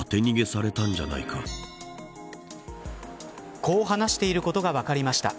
こう話していることが分かりました。